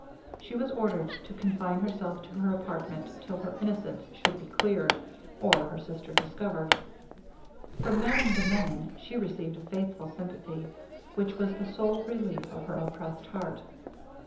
She was ordered to confine herself to her apartment till her innocence should be cleared, or her sister discovered. From Madame de Menon she received a faithful sympathy, which was the sole relief of her oppressed heart.